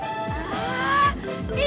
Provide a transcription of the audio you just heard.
mon cakep benar